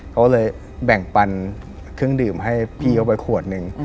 เขาเลยแบ่งปันเครื่องดื่มให้พี่เขาไปขวดหนึ่ง